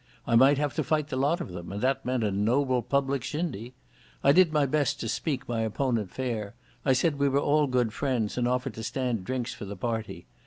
I might have to fight the lot of them, and that meant a noble public shindy. I did my best to speak my opponent fair. I said we were all good friends and offered to stand drinks for the party.